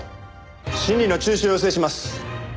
審理の中止を要請します。